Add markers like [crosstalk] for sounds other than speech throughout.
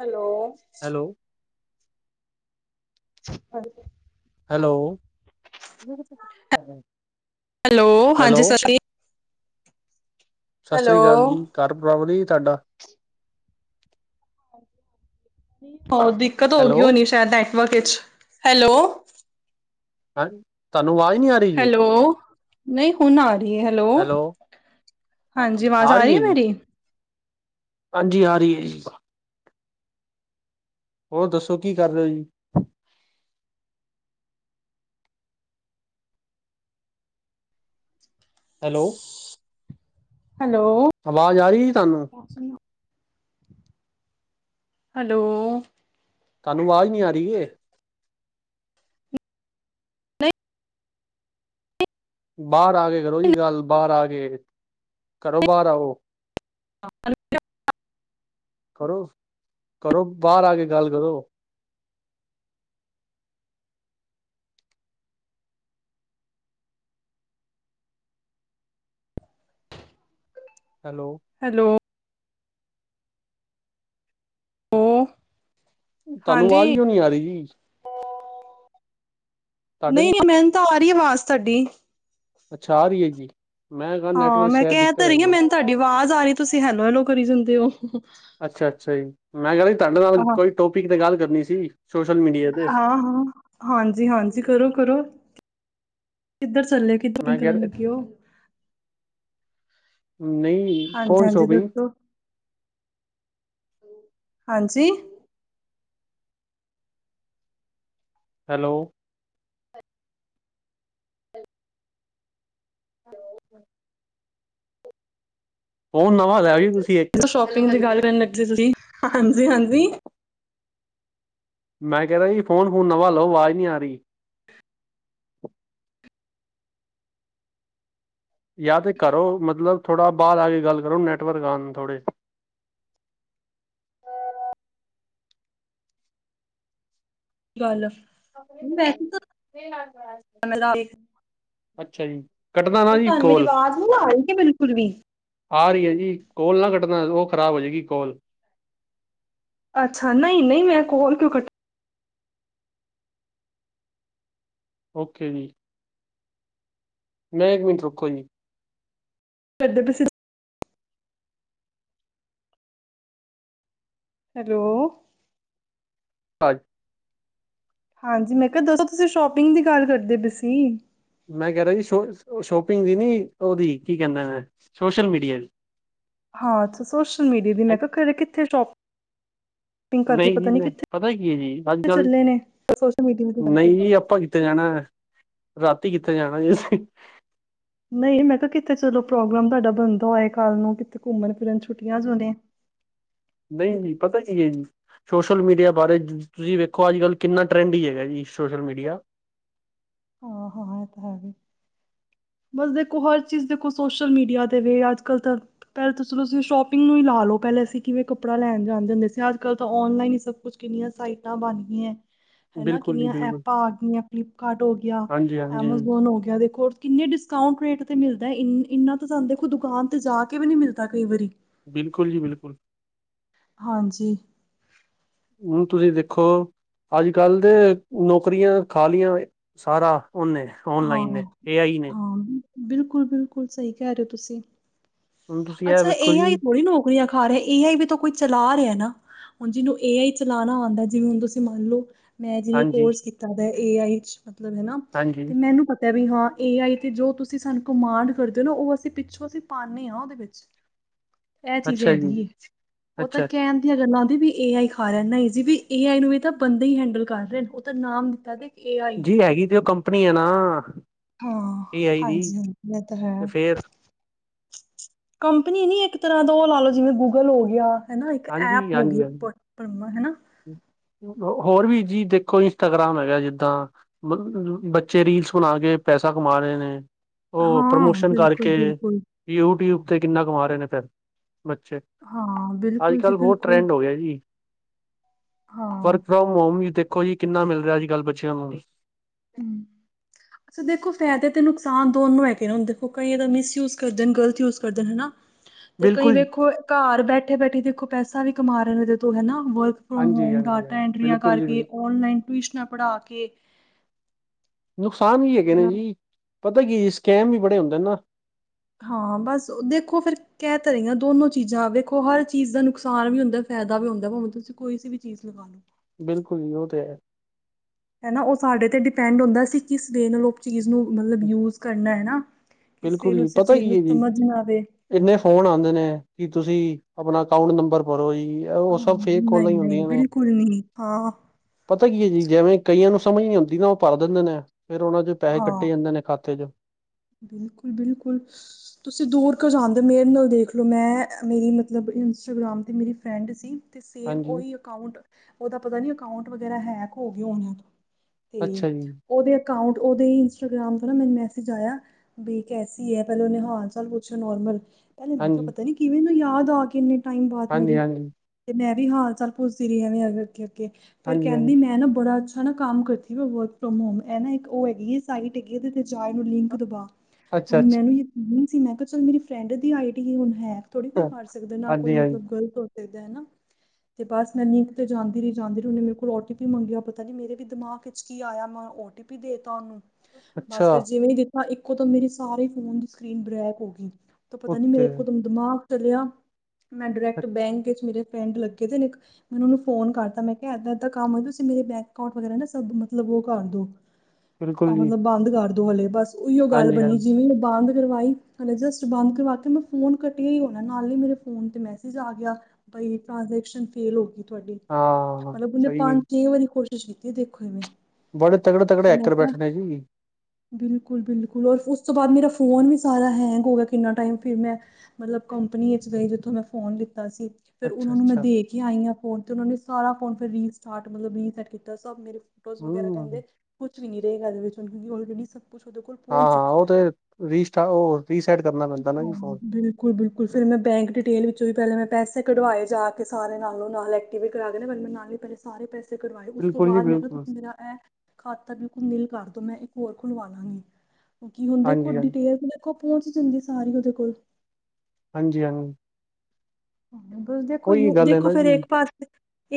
Hello! Hello! Hello ਜੀ। Hello! [unintelligible] Hello! ਹਾਂਜੀ! ਸਸਰੀ ਹੈਲੋ ਸਾਸਰੀ ਕਾਲ ਜੀ। ਘਰ ਬੜਾ ਵਦੀਆ ਈ ਤਾਡਾ। ਹੋਰ! ਦਿੱਕਤ ਹੈਲੋ ਹੋਗੀ ਹੋਣੀ ਸ਼ੈਦ ਨੈਟਵਰਕ ਇਚ ਹੈਲੋ! ਹਨ ਤਾਨੂੰ! ਵਾਜ਼ ਨੀ ਆ ਰ ਹੈਲੋ! ਨਈ ਹੁਣ ਆ ਰੀ ਐ। ਹੈਲੋ! ਹਾਂਜੀ! ਵਾਜ਼ ਆ ਰੀ ਰਹੀ ਏ ਹੈ ਜੀ ਮੇਰੀ। ਹਾਂਜੀ! ਆ ਰੀ ਏ। ਹੋਰ! ਦੱਸੋ ਕੀ ਕਰ ਰੇ ਓ ਜੀ? ਹੈਲੋ! ਹੈਲੋ! ਆਵਾਜ਼ ਆ ਰੀ ਜੀ ਤਾਨੂੰ? [unintelligible] ਹੈਲੋ! ਤਾਨੂੰ ਵਾਜ਼ ਨੀ ਆ ਰੀ ਕੇ? ਨਹੀਂ ਬਾਅਰ ਆ ਕੇ ਕਰੋ ਜੀ ਗੱਲ, ਬਾਅਰ ਆ ਕੇ ਘਰੋ ਬਾਅਰ ਆਓ। [unintelligible] ਘਰੋ, ਘਰੋ ਬਾਅਰ ਆ ਕੇ ਗੱਲ ਕਰੋ। ਹੈਲੋ। ਹੈਲੋ। ਤਾਨੂੰ ਹਾਂਜੀ ਵਾਜ਼ ਕਿਓ ਨੀ ਆ ਰੀ ਜੀ। ਤੁਹਾਡੇ ਨਈ ਨਈ ਮੈਨੂੰ ਤਾਂ ਆ ਰੀ ਏ ਵਾਜ਼ ਤਾਡੀ। ਅੱਛਾ! ਆ ਰੀ ਏ ਜੀ? ਮੈਂ ਕਿਹਾ ਹਾਂ! ਨੈਟਵਰਕ ਮੈਂ ਸ਼ਾਇਦ ਕੈ ਦਿੱਕਤ ਤੇ ਰਈ ਆ ਹੈਗੀ ਮੈਨੂੰ ਤਾਡੀ ਵਾਜ਼ ਆ ਰੀ ਤੁਸੀਂ ਹੈਲੋ- ਹੈਲੋ ਕਰੀ ਜਾਂਦੇ ਓ ਹਹ ਹੁੰ ਅੱਛਾ! ਅੱਛਾ ਜੀ। ਮੈਂ ਕੈਰਾ ਈ ਤਾਡੇ ਨਾਲ ਕੋਈ ਟੋਪਿਕ ਤੇ ਗੱਲ ਕਰਨੀ ਸੀ। Social media. ਤੇ ਹਾਂ-ਹਾਂ, ਹਾਂਜੀ! ਹਾਂਜੀ, ਕਰੋ- ਕਰੋ। ਕਿੱਧਰ ਚੱਲੇ? ਕਿੱਧਰ ਮੈ ਕੈ ਕਰਨ ਰਿਆ ਲੱਗੇ ਹੋ ਨਈ। ਹਾਂਜੀ ਹਾਂਜੀ ਦੱਸੋ। ਹਾਂਜੀ ਹੈਲੋ [unintelligible] ਫੋਨ ਨਵਾਂ ਲੈ ਆਈਓ ਤੁਸੀਂ ਇੱਕ ਜੋਂ ਸ਼ੋਪਿੰਗ ਦੀ ਗੱਲ ਨ ਚਲੀ। ਹਾਂਜੀ! ਹਾਂਜੀ! ਮੈਂ ਕਹਿ ਰਿਆ ਜੀ। ਫੋਨ- ਫੂਨ ਨਵਾਂ ਲਓ। ਆਵਾਜ਼ ਨੀ ਆ ਰੀ। ਜਾਂ ਤੇ ਘਰੋ, ਮਤਲਬ ਥੋੜਾ ਬਾਹਰ ਆ ਕੇ ਗੱਲ ਕਰੋ। ਨੈੱਟਵਰਕ ਆਣ ਥੋੜੇ। ਚਲ ਤਾਂ [unintelligible] ਅੱਛਾ ਜੀ, ਕਟਨਾ ਨਾ ਜੀ ਕੋਲ। ਹੁਣ ਆ ਰਈ ਏ। ਬਿਲਕੁਲ ਵੀ। ਆ ਰਹੀ ਹੈ ਜੀ ਕੋਲ ਨਾ ਕੱਟਣਾ ਉਹ ਖਰਾਬ ਹੋ ਜਾਏਗੀ ਕੋਲ। ਅੱਛਾ, ਨਹੀਂ ਨਹੀਂ ਮੈਂ ਕੋਲ ਕਿਉਂ ਕੱਟ ਓਕੇ ਜੀ। ਮੈਂ ਇੱਕ ਮਿੰਟ ਰੁਕੋ ਜੀ। ਕਰਦੇ ਪਏ ਸੀ ਤ ਹੈਲੋ ਹਜ ਹਾਂਜੀ ਮੈਂ ਕਿਹਾ ਦੱਸੋ ਤੁਸੀਂ ਸ਼ੋਪਿੰਗ ਦੀ ਗੱਲ ਕਰਦੇ ਪਏ ਸੀ। ਮੈਂ ਕਹਿ ਰਿਹਾ ਜੀ, ਸ਼ੋਪਿੰਗ ਦੀ ਨੀ ਉਹਦੀ ਕੀ ਕਹਿੰਦਾ ਨੇ ਸੋਸ਼ਲ ਮੀਡੀਆ ਦੀ। ਹਾਂ। ਸੋਸ਼ਲ ਮੀਡੀਆ ਦੀ ਮੈਂ ਕਿਹਾ ਘਰੇ ਕਿੱਥੇ ਸ਼ੋਪ ਨਹੀਂ ਜੀ- ਨਹੀਂ, ਕਿੱਥੇ ਪਤਾ ਕੀ ਹੈ ਜੀ ਅੱਜ ਕੱਲ ਚੱਲੇ ਨੇ ਸੋਸ਼ਲ ਮੀਡੀਆ ਦੀ ਗੱਲ ਕਰ ਨਹੀਂ ਜੀ। ਆਪਾਂ ਕਿੱਥੇ ਜਾਣਾ ਰਾਤੀ, ਕਿੱਥੇ ਜਾਣਾ ਜੇ ਅਸੀਂ। ਨਹੀਂ, ਮੈਂ ਕਿਹਾ ਕਿਤੇ ਚਲੋ ਪ੍ਰੋਗਰਾਮ ਤੁਹਾਡਾ ਬਣਦਾ ਹੋਯੇ, ਕੱਲ੍ਹ ਨੂੰ ਕਿਤੇ ਘੁੰਮਣ ਫਿਰਨ ਛੁੱਟੀਆਂ ਜੋ ਨੇ। ਨਹੀਂ ਜੀ, ਪਤਾ ਕੀ ਐ? ਸੋਸ਼ਲ ਮੀਡੀਆ ਬਾਰੇ ਤੁਸੀਂ ਵੇਖੋ ਅੱਜ ਕੱਲ੍ਹ ਕਿੰਨਾ ਟਰੈਂਡ ਹੀ ਹੈਗਾ ਜੀ ਸੋਸ਼ਲ ਮੀਡੀਆ। ਹਾਂ ਹਾਂ, ਇਹ ਤਾਂ ਹੈ ਵੀ ਬਸ, ਦੇਖੋ ਹਰ ਚੀਜ਼ ਦੇਖੋ ਸੋਸ਼ਲ ਮੀਡੀਆ ਤੇ ਵੇ ਅੱਜ ਕੱਲ੍ਹ ਤਾਂ ਪਹਿਲਾਂ ਤਾਂ ਚਲੋ ਤੁਸੀ ਸ਼ੋਪਿੰਗ ਨੂੰ ਲਾ ਲਾਓ, ਪਹਿਲੇ ਅਸੀਂ ਕਿਵੇਂ ਕਪੜਾ ਲੈਣ ਜਾਂਦੇ ਸੀ। ਅੱਜ ਕੱਲ ਤਾਂ ਔਨਲਾਈਨ ਹੀ ਸਭ ਕੁੱਛ ਕਿੰਨੀਆਂ ਸਾਈਟਾਂ ਬਣ ਗਈਆਂ ਐ। ਹਨਾ? ਬਿਲਕੁਲ ਜੀ ਕਿੰਨੀਆਂ ਬਿਲਕੁਲ ਐਪਾਂ ਆ ਗਈਆਂ ਫਲਿੱਪਕਾਰਟ ਹੋ ਗਿਆ, ਹਾਂਜੀ ਹਾਂਜੀ ਐਮਾਜੋਨ ਹੋ ਗਿਆ ਦੇਖੋ ਕਿੰਨੇ ਡਿਸਕਾਊਂਟ ਰੇਟ ਤੇ ਮਿਲਦਾ। ਇੰਨਾ ਤਾਂ ਸਾਨੂੰ ਦੇਖੋ, ਦੁਕਾਨ ਤੇ ਜਾ ਕੇ ਵੀ ਨੀ ਮਿਲਦਾ ਕਈ ਵਾਰੀ। ਬਿਲਕੁਲ ਜੀ। ਬਿਲਕੁਲ ਹਾਂਜੀ। ਹੁਣ ਤੁਸੀਂ ਦੇਖੋ ਅੱਜ ਕਲ ਦੇ ਨੌਕਰੀਆਂ ਖਾਲੀਆਂ ਸਾਰਾ ਓਨੇ ਹਾਂ ਔਨਲਾਈਨ ਨੇ ਏ ਆਈ ਨੇ। ਹਾਂ ਬਿਲਕੁਲ, ਬਿਲਕੁਲ ਸਹੀ ਕਹਿ ਰਹੇ ਹੋ ਤੁਸੀਂ, ਹੁਣ ਤੁਸੀਂ ਇਹ ਅੱਛਾ। ਵੇਖੋ ਏ ਆਈ ਹੀ ਜੀ ਕੋਈ ਆ ਖਾ ਰਿਹਾ, ਏ ਆਈ ਵੀ ਤਾਂ ਕੋਈ ਚਲਾ ਰਿਹਾ ਨਾ। ਹੁਣ ਜਿਹਨੂੰ ਏ ਆਈ ਚਲਾਉਣਾ ਆਉਂਦਾ, ਜਿਵੇਂ ਹੁਣ ਤੁਸੀਂ ਮੰਨ ਲਓ ਮੈਂ ਜਿਵੇਂ ਹਾਂਜੀ ਕੋਰਸ ਕੀਤਾ ਦਾ ਏ ਆਈ ਚ ' ਮਤਲਬ ਹੈ ਨਾ ਹਾਂਜੀ। ਤੇ ਮੈਨੂੰ ਪਤਾ ਵੀ ਹਾਂ ਏ ਆਈ ਤੇ ਜੋ ਤੁਸੀਂ ਸਾਨੂੰ ਕਮਾਂਡ ਕਰਦੇ ਹੋ ਨਾ, ਉਹ ਅਸੀਂ ਪਿੱਛੋਂ ਅਸੀਂ ਪਾਂਨੇ ਆ, ਉਹਦੇ ਵਿੱਚ [inaudible] ਇਹ ਚੀਜ਼ ਜੀ ਹੁੰਦੀਏ ਉਹ ਤਾਂ ਅੱਛਾ ਕਹਿਣ ਦੀਆਂ ਗੱਲਾਂ ਨੇ ਵਈ ਏ ਆਈ ਖਾ ਰਿਹਾ ਐ, ਨਹੀਂ ਜੀ ਵੀ ਏ ਆਈ ਨੂੰ ਇਹ ਤਾਂ ਬੰਦੇ ਹੀ ਹੈਂਡਲ ਕਰ ਰਹੇ ਨੇ ਉਹ ਤਾਂ ਨਾਮ ਦਿੱਤਾ ਤੇ ਏਆਈ ਜੀ ਹੈਗੀ ਤੇ ਉਹ ਕੰਪਨੀ ਹੈ ਨਾ ਹਾਂ ਏ ਆਈ ਦੀ ਹਾਂਜੀ ਹਾਂਜੀ ਇਹ ਤਾਂ ਹੈ ਤੇ ਫੇਰ ਕੰਪਨੀ ਨੀ ਇੱਕ ਤਰ੍ਹਾਂ ਦਾ ਉਹ ਲਾ ਲੋ ਜਿਵੇਂ ਗੂਗਲ ਹੋ ਗਿਆ ਹਨਾ ਇੱਕ ਹਾਂਜੀ, ਐਪ ਹੋ ਹਾਂਜੀ, ਗਈ ਹਾਂਜੀ। ਹਨਾ ਹੋਰ ਵੀ ਜੀ ਦੇਖੋ ਇੰਸਟਾਗ੍ਰਾਮ ਹੈਗਾ ਜਿੱਦਾਂ [unintelligible] ਬੱਚੇ ਰੀਲਸ ਬਣਾ ਕੇ ਪੈਸਾ ਕਮਾ ਰਹੇ ਨੇ ਉਹ ਹਾਂ ਪ੍ਰਮੋਸ਼ਨ ਬਿਲਕੁਲ ਕਰਕੇ ਬਿਲਕੁਲ ਯੂਟਿਊਬ ਤੇ ਕਿੰਨਾ ਕਮਾ ਰਹੇ ਨੇ ਪੈ ਬੱਚੇ ਹਾਂ ਅੱਜ ਬਿਲਕੁਲ ਜੀ ਕੱਲ੍ਹ ਬਹੁਤ ਬਿਲਕੁਲ ਟਰੈਂਡ ਹੋ ਗਿਆ ਜੀ ਹਾਂ ਵਰਕ ਫਰੋਮ ਹੋਮ ਵੀ ਦੇਖੋ ਜੀ ਕਿੰਨਾ ਮਿਲ ਰਿਹਾ ਅੱਜ ਕੱਲ੍ਹ ਬੱਚਿਆਂ ਨੂੰ ਵੀ ਹਮ ਸੋ ਦੇਖੋ ਫੈਦੇ ਤੇ ਨੁਕਸਾਨ ਦੋਨੋ ਹੈਗੇ ਹੁਣ ਦੇਖੋ ਕਈ ਇਹ ਤਾਂ ਮਿਸਯੂਜ ਕਰਦੇ ਨੇ, ਗਲਤ ਯੂਜ ਕਰਦੇ ਨੇ ਨਾ ਤੇ ਕਈ ਬਿਲਕੁਲ ਵੇਖੋ ਘਰ ਬੈਠੇ-ਬੈਠੇ ਦੇਖੋ ਪੈਸਾ ਵੀ ਕਮਾ ਰਹੇ ਨੇ ਉਹਦੇ ਤੂੰ ਹਨਾ ਵਰਕ ਫਰੋਮ ਹਾਂਜੀ, ਹੋਮ ਹਾਂਜੀ, ਡਾਟਾ ਹਾਂਜੀ ਐਂਟਰੀਆਂ ਬਿਲਕੁਲ ਜੀ ਕਰਕੇ ਬਿਲਕੁਲ ਔਨਲਾਈਨ ਟਿਊਸ਼ਨਾਂ ਪੜ੍ਹਾ ਕੇ ਨੁਕਸਾਨ ਵੀ ਹੈਗੇ ਨੇ ਜੀ ਪਤਾ ਕੀ ਐ ਸਕੈਮ ਵੀ ਬੜੇ ਹੁੰਦੇ ਨਾ ਹਾਂ ਬਸ ਦੇਖੋ ਫੇਰ ਕਹਿ ਤ ਰਹੀਆਂ ਦੋਨੋ ਚੀਜ਼ਾਂ ਵੇਖੋ ਹਰ ਚੀਜ਼ ਦਾ ਨੁਕਸਾਨ ਵੀ ਹੁੰਦਾ ਫੈਦਾ ਵੀ ਹੁੰਦਾ ਭਾਵੇਂ ਤੁਸੀਂ ਕੋਈ ਵੀ ਚੀਜ਼ ਲਗਾ ਲੋ [unintelligible] ਬਿਲਕੁਲ ਜੀ ਉਹ ਤੇ ਹੈ ਹਨਾ ਉਹ ਸਾਡੇ ਤੇ ਡਿਪੈਂਡ ਹੁੰਦਾ, ਕਿਸ ਵੇ ਨਾਲੋਂ ਚੀਜ਼ ਨੂੰ ਮਤਲਬ ਯੂਜ ਕਰਨਾ ਐ ਨਾ ਕਿਸੇ ਬਿਲਕੁਲ ਨੂੰ ਜੀ ਉਸ ਪਤਾ ਚੀਜ਼ ਕੀ ਨੂੰ ਹੈ ਜੀ ਸਮਝ ਨਾ ਆਵੇ ਇੰਨੇ ਫੋਨ ਆਉਂਦੇ ਨੇ ਕਿ ਤੁਸੀਂ ਆਪਣਾ ਅਕਾਊਂਟ ਨੰਬਰ ਭਰੋ ਜੀ ਉਹ ਸਭ ਫੇਕ ਨਹੀਂ ਕੋਲਾਂ ਹੀ ਨਹੀਂ ਹੁੰਦੀਆਂ ਨੇ ਬਿਲਕੁਲ ਨੀ ਹਾਂ ਪਤਾ ਕੀ ਐ ਜੀ ਜੈਵੇਂ ਕਈਆਂ ਨੂੰ ਸਮਝ ਨੀ ਔਂਦੀ ਨਾ ਓ ਭਰ ਦਿੰਦੇ ਨੇ ਫੇਰ ਓਨਾਂ ਚ ਪੈਹੇ ਕੱਟੇ ਜਾਂਦੇ ਨੇ ਖਾਤੇ ਚ ਬਿਲਕੁੱਲ ਬਿਲਕੁੱਲ ਤੁਸੀਂ ਦੂਰ ਕਿਊ ਜਾਂਦੇ ਮੇਰੇ ਨਾਲ ਦੇਖਲੋ ਮੈਂ ਮੇਰੀ ਮਤਲਬ ਜਿਹੜੀ ਇੰਸਟਾਗ੍ਰਾਮ ਤੇ ਮੇਰੀ ਫਰੈਂਡ ਸੀ ਤੇ ਸੇਮ ਹਾਂਜੀ ਓਹੀ ਅਕਾਊਂਟ ਓਦਾ ਪਤਾ ਨੀ ਅਕਾਊਂਟ ਵਗੈਰਾ ਹੈਕ ਹੋ ਗਿਆ ਹੋਣਾ ਤੇ ਅੱਛਾ ਜੀ ਓਦੇ ਅਕਾਉਂਟ ਓਦੇ ਇੰਸਟਾਗ੍ਰਾਮ ਤੋਂ ਨਾ ਮੈਨੂੰ ਮੈਸੇਜ ਆਇਆ ਬੀ ਕੈਸੀ ਐ ਪੈਲੇ ਓਨੇ ਹਾਲ ਚਾਲ ਪੁੱਛਿਆ ਨੋਰਮਲ ਪੇਲੇ ਮੈਂ ਕਿਆ ਹਾਂਜੀ ਪਤਾ ਨੀ ਕਿਵੇਂ ਇਨੂੰ ਯਾਦ ਆ ਗੀ ਇੰਨੇ ਟਾਈਮ ਬਾਦ ਹਾਂਜੀ ਮੇਰੀ ਹਾਂਜੀ ਤੇ ਮੈਂ ਵੀ ਹਾਲ ਚਾਲ ਪੁੱਛਦੀ ਰਈ ਐਵੇ ਅੱਗੇ ਅੱਗੇ ਫੇਰ ਹਾਂਜੀ ਹਾਂਜੀ ਕੈਂਦੀ ਮੈਂ ਨਾ ਬੜਾ ਚ ਹਨਾ ਕੰਮ ਕਰਤੀ ਵ ਵਰਕ ਫਰੋਮ ਹੋਮ ਐਨਾ ਇੱਕ ਓ ਹੈਗੀ ਐ ਸਾਈਟ ਹੈਗੀ ਐ ਇਦੇ ਤੇ ਜਾ ਇਨੂੰ ਲਿੰਕ ਦਬਾ ਹੁਣ ਅੱਛਾ ਅੱਛਾ ਮੈਨੂੰ [unintelligible] ਯਕੀਨ ਸੀ ਮੈਂ ਕਾ ਚਲ ਮੇਰੀ ਫਰੈਂਡ ਦੀ ਆਈ ਟੀ ਹੁਣ ਹੈ ਥੋੜ੍ਹੀ ਕੋਈ ਕਰ ਸਕਦਾ ਨਾ ਕੋਈ ਹਾਂਜੀ ਹਾਂਜੀ ਮਤਲਬ ਗ਼ਲਤ ਹੋ ਸਕਦਾ ਹੈਨਾ ਤੇ ਬਸ ਮੈਂ ਨਿੰਕ ਤੇ ਜਾਂਦੀ ਰੀ ਜਾਂਦੀ ਰਈ ਉਨੇ ਮੇਰੇ ਕੋਲ ਓ ਟੀ ਪੀ ਮੰਗਿਆ ਪਤਾ ਨੀ ਮੇਰੇ ਵੀ ਦਿਮਾਗ ਵਿੱਚ ਕੀ ਆਇਆ ਮੈਂ ਓਟੀ ਪੀ ਦੇਤਾ ਓਨੂੰ ਬਸ ਫਿਰ ਅੱਛਾ ਜਿਵੇਂ ਈ ਦੇਖਾ ਇੱਕੋ ਦਮ ਮੇਰੇ ਸਾਰੇ ਫੋਨ ਦੀ ਸਕਰੀਨ ਬਲੈਕ ਹੋਗੀ ਤੇ ਪਤਾ ਨੀ ਮੇਰਾ ਉੱਤੇ ਇੱਕ ਦਮ ਦਿਮਾਗ ਚੱਲਿਆ ਮੈਂ ਡਰੈਕਟ ਬੈਂਕ ਵਿੱਚ ਮੇਰੇ ਫਰੈਂਡ ਲੱਗੇ ਦੇ ਨੇ ਇੱਕ ਮੈਨੇ ਓਨੂੰ ਫੋਨ ਕਰਤਾ ਮੈਂ ਕਿਆ ਐਦਾਂ-ਐਦਾਂ ਕੰਮ ਹੋਇਆ [unintelligible] ਤੁਸੀ ਮੇਰੇ ਬੈਂਕ ਅਕਾਊਟ ਵਗੈਰਾ ਨਾ ਸਭ ਮਤਲਬ ਓ ਕਰ ਦੋ [inaudible] ਆ ਜੀ ਮਤਲਬ ਬੰਦ ਕਰ ਦੋ ਹਲੇ ਬਸ ਓਈਓ ਗੱਲ ਹਾਂਜੀ ਬਣੀਨੀ ਹਾਂਜੀ ਜਿਵੇਂ ਬੰਦ ਕਰਵਾਈ ਹਲੇ ਜਸਟ ਬੰਦ ਕਰਵਾ ਕੇ ਮੈਂ ਫੋਨ ਕੱਟਿਆ ਈ ਹੋਣਾ ਨਾਲ ਈ ਮੇਰੇ ਫੋਨ ਤੇ ਮੈਸੇਜ ਆ ਗਿਆ ਬਾਈ ਟ੍ਰਾਂਜੇਕਸ਼ਨ ਫੇਲ ਹੋਗੀ ਤੁਹਾਡੀ, ਹਾਂ ਮਤਲਬ ਉਹਨੇ ਸਹੀ ਜੀ। ਪੰਜ ਛੇ ਵਾਰੀ ਕੋ ਛੇਤੀ ਦੇਖੋ ਇਵੇਂ। ਬੜੇ ਤਗੜੇ-ਤਗੜੇ ਐਕਟਰ ਬੈਠੇ ਨੇ ਜੀ। ਬਿਲਕੁੱਲ-ਬਿਲਕੁੱਲ ਔਰ ਉਸ ਤੋਂ ਬਾਦ ਮੇਰਾ ਫੋਨ ਵੀ ਸਾਰਾ ਹੈਂਗ ਹੋ ਗਿਆ ਕਿੰਨਾ ਟਾਈਮ ਫਿਰ ਮੈਂ ਮਤਲਬ ਕੰਪਨੀ ਵਿੱਚ ਗਈ, ਜਿੱਥੋਂ ਮੈਂ ਫੋਨ ਲੀਤਾ ਸੀ। ਫਿਰ ਅੱਛਾ ਉਨਾਂ ਨੂੰ ਮੈਂ ਅੱਛਾ ਦੇ ਕੇ ਆਈ ਆ ਫੋਨ ਤੇ ਉਨਾਂ ਨੇ ਸਾਰਾ ਫੋਨ ਫਿਰ ਰੀਸਟਾਰਟ ਮਤਲਬ ਰੀਸੈਟ ਕੀਤਾ ਸਭ ਮੇਰੇ ਫੋਟੋ ਵਗੈਰਾ ਹਮ ਹਾਂ ਕੈਂਦੇ ਕੁੱਛ ਵੀ ਨੀ ਰਏਗਾ ਐਦੇ ਵਿੱਚ ਹੁਣ, ਆਲਰੇਡੀ ਸਭ ਕੁੱਛ ਓਦੇ ਕੋਲ ਪਹੁੰਚ ਹਾਂ-ਹਾਂ ਚੁੱਕਿਆ ਓ ਹੈ। ਤੇ ਰਿਸਟਾਰਟ ਓ ਰੀਸੈੱਟ ਕਰਨਾ ਪੈਂਦਾ ਨਾ ਜੀ ਫੋਨ। ਬਿਲਕੁੱਲ-ਬਿਲਕੁੱਲ ਫਿਰ ਮੈਂ ਬੈਂਕ ਡਿਟੇਲ ਵਿੱਚੋਂ ਵੀ ਪੈਲੇ ਮੈਂ ਪੈਸੇ ਕਢਵਾਏ ਜਾ ਕੇ ਸਾਰੇ ਨਾਲੋਂ ਨਾਲ ਐ ਟੀ ਵੀ ਕਰਾ ਕੇ ਬੰਦੇ ਨੂੰ ਨਾਲ ਈ ਸਾਰੇ ਪੈਸੇ ਸੇ ਕਢਵਾਏ, ਉਸ ਤੋਂ ਬਿਲਕੁਲ ਜੀ ਬਾਦ ਮੈਂ ਕਿਆ ਬਿਲਕੁਲ ਤੁਸੀਂ ਮੇਰਾ ਐ ਖਾਤਾ ਬਿਲਕੁੱਲ ਨਿਲ ਕਰਦੋ, ਮੈਂ ਇੱਕ ਹੋਰ ਖੁਲਵਾ ਲਾਂਗੀ, ਕਿਉਂਕਿ ਹੁਣ ਦੇਖੋ ਹਾਂਜੀ ਹਾਂਜੀ ਡਿਟੇਲ ਤਾਂ ਦੇਖੋ ਪਹੁੰਚ ਜਾਂਦੀ ਸਾਰੀ ਓਦੇ ਕੋਲ। ਹਾਂਜੀ ਹਾਂ ਬਸ ਦੇਖੋ ਯ ਗੱਲ ਹੈ ਦੇਖੋ ਨਾ ਫੇਰ ਜੀ ਇੱਕ ਪਾ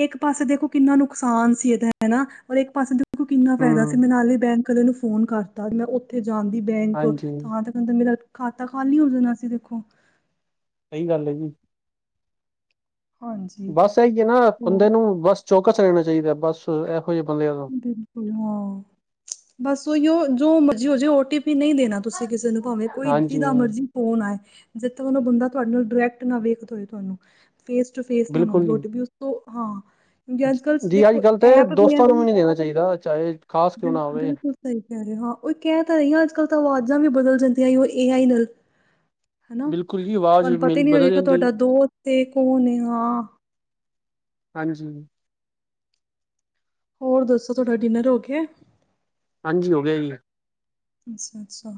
ਇੱਕ ਪਾਸੇ ਦੇਖੋ ਕਿੰਨਾ ਨੁਕਸਾਨ ਸੀ ਏਦਾ ਹੈਨਾ, ਔਰ ਇੱਕ ਪਾਸੇ ਦੇਖੋ ਕਿੰਨਾ ਫੈਦਾ ਸੀ, ਹਮ ਮੈਂ ਨਾਲੇ ਬੈਂਕ ਆਲੇ ਨੂੰ ਫੋਨ ਕਰਤਾ, ਮੈਂ ਉੱਥੇ ਜਾਂਦੀ ਬੈਂਕ ਹਾਂਜੀ ਥਾਂ-ਥਾਂ ਨਹੀ ਤੇ ਮੇਰਾ ਖਾਤਾ ਖਾਲੀ ਹੋ ਜਾਣਾ ਸੀਂ ਦੇਖੋ। ਸਈ ਗੱਲ ਐ ਜੀ। ਹਾਂਜੀ ਬਸ ਐਈ ਜੇ ਨਾ, ਬੰਦੇ ਨੂੰ ਬਸ ਚੌਕਸ ਰੈਹਣਾ ਚਾਈਦਾ, ਬਸ ਐਹੋ ਜੇ ਬੰਦਿਆਂ- ਤੋਂ ਬਿਲਕੁੱਲ ਹਾਂ, ਬਸ ਓਈਓ ਜੋ ਮਰਜ਼ੀ ਹੋਜੇ ਓਟੀ ਪੀ ਨਈ ਦੇਣਾ ਤੁਸੀਂ ਕਿਸੇ ਨੂੰ, ਭਾਵੇਂ ਕੋਈ ਹਾਂਜੀ ਜਿਦਾ ਹਾਂ ਮਰਜ਼ੀ ਫੋਨ ਆਏ, ਜਿਥੋ ਔ ਨਾ ਬੰਦਾ ਤੁਹਾਡੇ ਨਾਲ ਡਾਇਰੈਕਟ ਨਾ ਵੇਖਦੇ ਹੋਏ ਤੁਹਾਨੂੰ। ਫੇਸ ਟੂ ਫੇਸ ਨਾ ਬਿਲਕੁਲ ਮੰਗੇ ਜੀ ਓਟੀਪੀ ਉਸ ਤੋਂ, ਹਾਂ। ਅੱਜ ਕੱਲ੍ਹ ਜੀ ਦੇਖੋ ਅੱਜ ਕੱਲ ਤੇ ਐਪ ਐ ਦੋਸਤਾਂ ਨੂੰ ਵੀ ਨੀ ਦੇਣਾ ਚਾਈਦਾ, ਚਾਹੇ ਖ਼ਾਸ ਕਿਉਂ ਬਿਲ ਨਾ ਹੋਵੇ ਬਿਲਕੁੱਲ ਸਈ ਕੈ ਰੇ ਓ, ਹਾਂ ਓਹੀ ਕੈ ਤਾਂ ਰਹੀ ਆ ਅੱਜ ਕੱਲ੍ਹ ਤਾਂ ਆਵਾਜ਼ਾਂ ਵੀ ਬਦਲ ਜਾਂਦੀਆਂ ਓ ਏ ਆਈ ਨਾਲ। ਹੈਨਾ ਬਿਲਕੁਲ ਜੀ ਆਵਾਜ਼ ਤੁਹਾਨੂੰ ਪਤਾ ਹੀ ਮੇਰੀ ਨੀ ਬਦਲ ਲੱਗੇਗਾ, ਜਾਂਦੀ ਤੁਹਾਡਾ ਦੋਸਤ ਏ ਕੋਨ ਏ ਹਾਂ। ਹਾਂਜੀ। ਹੋਰ ਦੱਸੋ ਤੁਹਾਡਾ ਡਿਨਰ ਹੋ ਗਿਆ ਐ। ਹਾਂਜੀ ਹੋ ਗਿਆ ਜੀ। ਅੱਛਾ-ਅੱਛਾ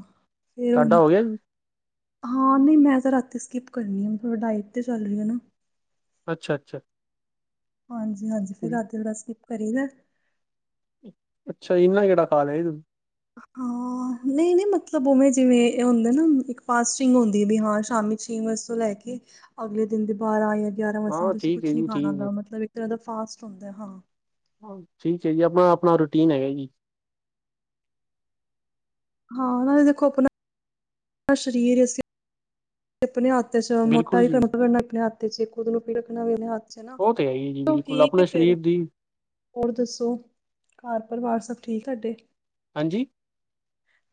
ਫੇਰ ਤੁਹਾਡਾ ਹੁਣ ਹੋ ਗਿਆ ਜੀ ਹਾਂ ਨਹੀਂ ਮੈਂ ਤਾਂ ਰਾਤੀ ਸਕਿਪ ਕਰਨੀ ਆ, ਥੋੜਾ ਡਾਇਟ ਤੇ ਚੱਲ ਰਹੀ ਆਂ ਨਾ ਅੱਛਾ ਅੱਛਾ ਹਾਂਜੀ ਹਾਂਜੀ ਫਿਰ ਰਾਤੀ ਦਾ ਸਕਿੱਪ ਕਰੀ ਦਾ ਐ ਅੱਛਾ ਇੰਨਾ ਕਿਹੜਾ ਖਾ ਲਿਆ ਹੈ ਤਸੀਂ ਹਾਂ ਨਹੀਂ ਨਹੀਂ ਮਤਲਬ ਉਵੇਂ ਜਿਵੇਂ ਇਹ ਹੁੰਦੇ ਨਾ, ਇੱਕ ਫਾਸਟਿੰਗ ਹੁੰਦੀ ਵੀ ਹਾਂ ਸ਼ਾਮ ਚ ਛੇ ਵਜੇ ਤੋਂ ਲੈ ਕੇ ਅਗਲੇ ਦਿਨ ਦੇ ਬਾਰਾਂ ਜਾਂ ਗਿਆਰਾਂ ਵਜੇ ਤਕ ਹਾਂ ਤੁਸੀਂ ਠੀਕ ਹੈ ਕੁਛ ਨੀ ਜੀ ਖਾਣਾ ਠੀਕ ਹੈ ਹੁੰਦਾ ਮਤਲਬ ਇੱਕ ਤਰ੍ਹਾਂ ਦਾ ਫਾਸਟ ਹੁੰਦਾ ਹੈ ਹਾਂ ਠੀਕ ਹੈ ਜੀ ਆਪਣਾ ਆਪਣਾ ਰੂਟੀਨ ਹੈਗਾ ਜੀ ਹਾਂ ਨਾਲੇ ਦੇਖੋ ਆਪਣਾ ਸਰੀਰ ਐ, ਅਸੀਂ ਆਪਣੇ ਹੱਥ ਚ ਮੋਟਾ ਬਿਲਕੁਲ ਹੀ ਜੀ ਕਣਕ ਕਰਨਾ ਆਪਣੇ ਹੱਥ ਤੇ ਜੇ ਖੁਦ ਨੂੰ ਪਿੜਕਣਾ ਵੀੇ ਆਪਣੇ ਹੱਥ ਚ ਹੈ ਨਾ, ਉਹ ਤੇ ਹੀ ਹੈ ਜੀ ਬਿਲਕੁਲ ਠੀਕ ਐ ਆਪਣੇ ਫਿਰ ਸਰੀਰ ਦੀ ਹੋਰ ਦੱਸੋ ਘਰ ਪਰਿਵਾਰ ਸਭ ਠੀਕ ਤੁਹਾਡੇ ਹਾਂਜੀ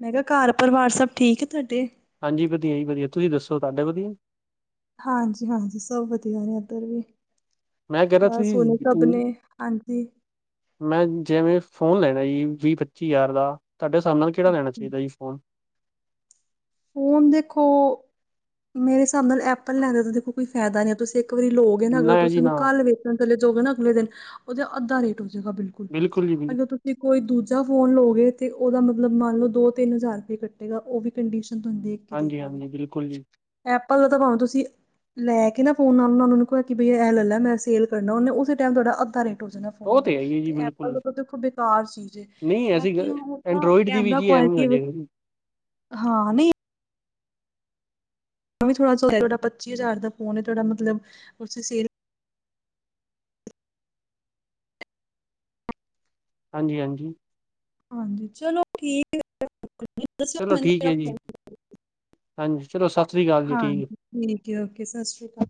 ਮੈਂ ਕਿਹਾ ਘਰ ਪਰਿਵਾਰ ਸਭ ਠੀਕ ਹੈ ਤੁਹਾਡੇ ਹਾਂਜੀ ਵਧੀਆ ਜੀ ਵਧੀਆ ਤੁਸੀਂ ਦੱਸੋ ਤੁਹਾਡੇ ਵਧੀਆ ਹਾਂਜੀ ਹਾਂਜੀ ਸਭ ਵਧੀਆ ਨੇ ਇੱਧਰ ਵੀ ਮੈਂ ਕਹਿ ਰਿਹਾ ਬਸ ਤੁਸੀਂ ਸੋਨੀਕਾ ਅਮ, ਆਪਣੇ ਨੇ ਹਾਂਜੀ ਮੈਂ ਜਿਵੇਂ ਫ਼ੋਨ ਲੈਣਾ ਜੀ ਵੀਹ-ਪੱਚੀ ਹਜ਼ਾਰ ਦਾ ਤੁਹਾਡੇ ਹਿਸਾਬ ਨਾਲ ਕਿਹੜਾ ਲੈਣਾ ਹਾਂਜੀ। ਚਾਹੀਦਾ ਜੀ। ਫੋਨ ਫੋਨ ਦੇਖੋ ਮੇਰੇ ਹਿਸਾਬ ਨਾਲ ਐਪਲ ਲੈਨ ਤਾਂ ਦੇਖੋ ਕੋਈ ਫਾਇਦਾ ਨੀ ਆ ਤੁਸੀਂ ਇੱਕ ਵਾਰੀ ਲੋ ਅਗਰ ਨਾ ਤੁਸੀਂ ਜੀ ਉਹਨੂੰ ਨਾ ਕੱਲ ਵੇਚਣ ਚਲੇ ਜੋਗੇ ਨਾ ਅਗਲੇ ਦਿਨ ਉਹਦੇ ਅੱਧਾ ਰੇਟ ਹੋ ਜੇਗਾ ਬਿਲ ਬਿਲਕੁਲ ਜੀ ਬਿਲਕੁਲ ਅਗਰ ਤੁਸੀਂ ਜੇ ਕੋਈ ਦੂਜਾ ਫੋਨ ਲੋਗੇ ਤੇ ਉਹਦਾ ਮਤਲਬ ਮੰਨ ਲਓ ਦੋ ਤਿੰਨ ਹਜ਼ਾਰ ਰੁਪਏ ਕੱਟੇਗਾ ਉਹ ਵੀ ਕੰਡੀਸ਼ਨ ਤੁ ਦੇਖ ਕੇ ਹਾਂਜੀ ਦੇਖੋ ਹਾਂਜੀ ਬਿਲਕੁਲ ਜੀ ਐਪਲ ਦਾ ਤਾਂ ਭਾਵੇਂ ਤੁਸੀਂ ਲੈ ਕੇ ਨਾ ਫੋਨ ਨਾਲ ਉਹ ਕਿਹਾ ਕਿ ਬ ਇਹ ਲੈ ਮੈਂ ਸੇਲ ਕਰਨਾ ਉਹਨੇ ਉਸੇ ਟੈਮ ਤੁਹਾਡਾ ਅੱਧਾ ਰੇਟ ਹੋ ਜਾਣਾ। ਉਹ ਤੇ ਹੈ ਹੀ ਹੈ ਜੀ ਬਿਲਕੁਲ ਐਪਲ ਤਾਂ ਦੇਖੋ ਬੇਕਾਰ ਚੀਜ਼ ਹੈ ਨਹੀਂ ਐਸੀ ਬਾਕੀ ਗੱਲ, ਨਾ ਐਂਡਰੋਇਡ ਦੀ ਵੀ ਕੈਮਰਾ ਜੀ ਕੁਆਲਿਟੀ [inaudible] ਹਾਂ ਨੀ ਵੀ ਥੋੜਾ ਤੁਹਾਡਾ ਪੱਚੀ ਹਜ਼ਾਰ ਦਾ ਫੋਨ ਤੁਹਾਡਾ ਮਤਲਬ ਸੇਲ ਹਾਂਜੀ-ਹਾਂਜੀ ਹਾਂਜੀ ਚਲੋ ਠੀਕ ਹੈ ਚਲੋ ਠੀਕ ਹੈ ਜੀ [unintelligible] ਹਾਂਜੀ ਚਲੋ ਸਸ ਸ੍ਰੀ ਕਾਲ ਜੀ ਠੀਕ ਐ। ਹਾਂਜੀ ਠੀਕ ਹੈ ਓਕੇ ਸਸ ਸ੍ਰੀ ਕਾਲ।